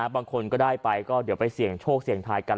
บางคนก็ได้ไปก็เดี๋ยวไปเสี่ยงโชคเสี่ยงทายกัน